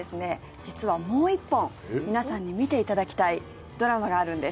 実はもう１本皆さんに見て頂きたいドラマがあるんです。